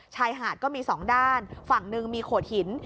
ชายหาดก็มีสองด้านฝั่งหนึ่งมีโขดหิน